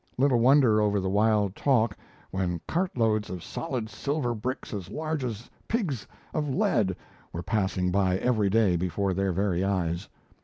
Little wonder over the wild talk, when cartloads of solid silver bricks as large as pigs of lead were passing by every day before their very eyes.